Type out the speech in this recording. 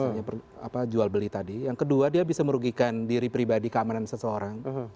misalnya jual beli tadi yang kedua dia bisa merugikan diri pribadi keamanan seseorang